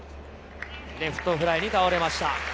レフトフライに倒れました。